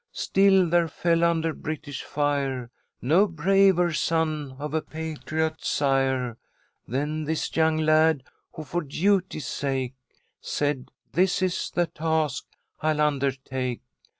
Still, there fell under British fire, No braver son of a patriot sire Than this young lad, who for duty's sake Said, 'This is the task I'll undertake.